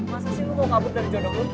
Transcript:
masa sih lu mau kabur dari jodoh lu